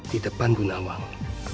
di depan bunawang